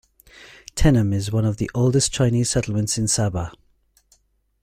Tenom is one of the oldest Chinese settlements in Sabah.